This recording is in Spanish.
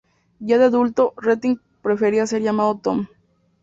Ya de adulto, Rettig prefería ser llamado "Tom".